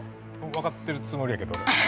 分かってるつもりやけど俺。